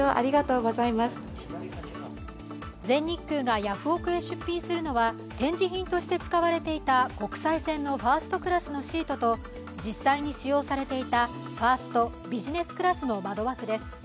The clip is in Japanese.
全日空がヤフオク！へ出品するのは展示品として使われていた国際線のファーストクラスのシートと実際に使用されていたファースト・ビジネスクラスの窓枠です。